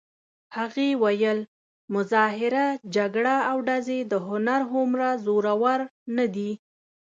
هغې ویل: مظاهره، جګړه او ډزې د هنر هومره زورور نه دي.